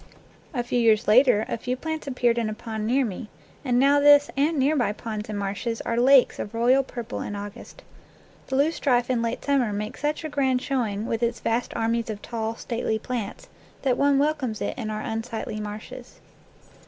A few years later a few plants appeared in a pond near me, and now this and near by ponds and marshes are lakes of royal purple in August. The loosestrife in late summer makes such a grand showing with its vast armies of tall, stately plants that one welcomes it to our un sightly marshes.